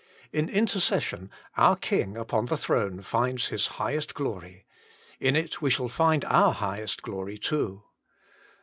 In intercession our King upon the throne finds His highest glory; in it we shall find our highest glory too.